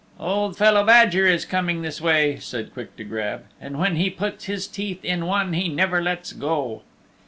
"Old fellow Badger is coming this way," said Quick to Grab, "and when he puts his teeth in one he never lets go."